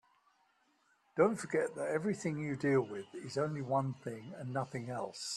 Don't forget that everything you deal with is only one thing and nothing else.